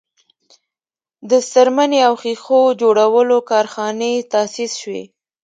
د څرمنې او ښیښو جوړولو کارخانې تاسیس شوې.